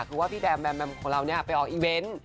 คือว่าพี่แดมแมมแมมของเราไปออกอีเวนต์